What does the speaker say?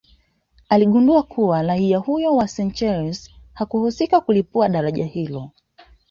Aligundua kuwa raia huyo wa Seychelles hakuhusika kulipua daraja hilo